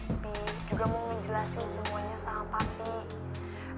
juga mau ngejelasin semuanya sama papi